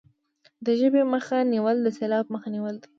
د ژبې مخه نیول د سیلاب مخه نیول دي.